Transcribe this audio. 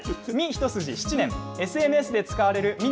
一筋７年、ＳＮＳで使われるみ